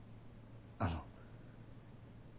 あの。